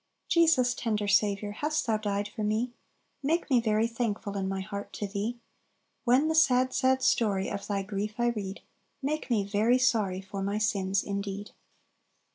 "Jesus, tender Saviour, Hast Thou died for me? Make me very thankful In my heart to Thee; When the sad, sad story Of Thy grief I read, Make me very sorry For my sins indeed."